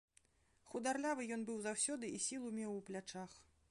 Хударлявы ён быў заўсёды і сілу меў у плячах.